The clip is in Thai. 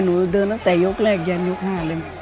หนูเดินตั้งแต่ยกแรกยันยก๕เลย